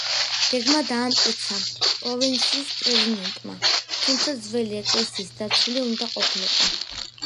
გეგმა დაამტკიცა პროვინციის პრეზიდენტმა, თუმცა ძველი ეკლესიის დაცული უნდა ყოფილიყო.